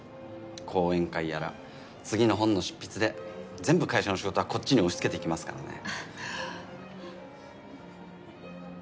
講演会やら次の本の執筆で全部会社の仕事はこっちに押し付けてきますからね。